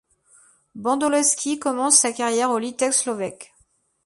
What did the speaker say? Bandalovski commence sa carrière au Litex Lovech.